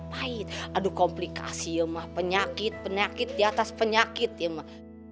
lain aduh komplikasi emah penyakit penyakit di atas penyakit ya mah